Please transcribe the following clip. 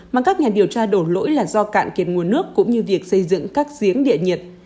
mà các nhà điều tra đổ lỗi là do cạn kiệt nguồn nước cũng như việc xây dựng các giếng địa nhiệt